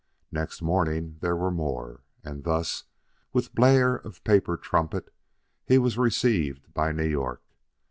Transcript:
Next morning there were more. And thus, with blare of paper trumpet, was he received by New York.